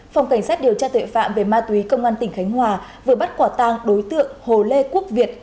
phòng cảnh sát điều tra tuệ phạm về ma túy công an tỉnh khánh hòa vừa bắt quả tang đối tượng hồ lê quốc việt